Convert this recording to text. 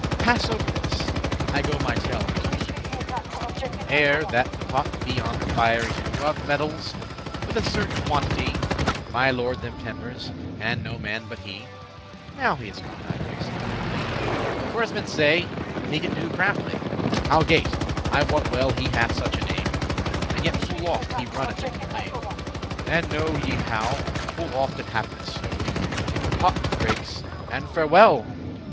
Pass over this; I go my tale unto. Ere that the pot be on the fire y do* *placed Of metals, with a certain quantity My lord them tempers,* and no man but he *adjusts the proportions (Now he is gone, I dare say boldely); For as men say, he can do craftily, Algate* I wot well he hath such a name, *although And yet full oft he runneth into blame; And know ye how? full oft it happ'neth so, The pot to breaks, and farewell!